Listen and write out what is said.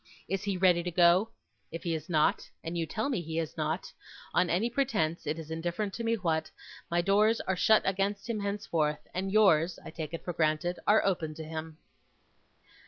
Is he ready to go? If he is not and you tell me he is not; on any pretence; it is indifferent to me what my doors are shut against him henceforth, and yours, I take it for granted, are open to him.